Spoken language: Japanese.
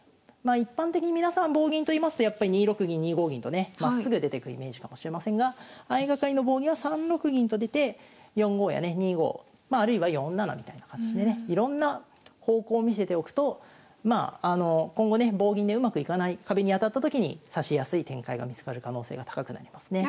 一般的に皆さん棒銀といいますとやっぱり２六銀２五銀とねまっすぐ出てくイメージかもしれませんが相掛かりの棒銀は３六銀と出て４五やね２五まああるいは４七みたいな形でねいろんな方向を見せておくと今後ね棒銀でうまくいかない壁に当たった時に指しやすい展開が見つかる可能性が高くなりますね。